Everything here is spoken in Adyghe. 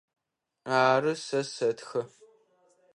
Ары, сэ сэтхэ.